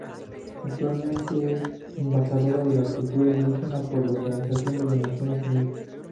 Actualmente es Embajadora de la Cultura Indígena por la Organización de las Naciones Unidas.